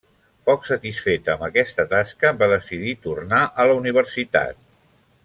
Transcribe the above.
Poc satisfeta amb aquesta tasca, va decidir tornar a la universitat.